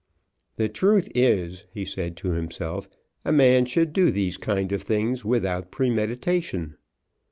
"The truth is," he said to himself, "a man should do these kind of things without premeditation."